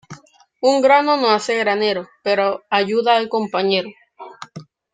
Un grano no hace granero, pero ayuda al compañero.